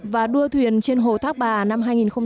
và đua thuyền trên hồ thác bà năm hai nghìn một mươi bảy